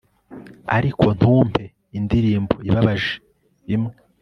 ariko ntumpe indirimbo ibabaje imwe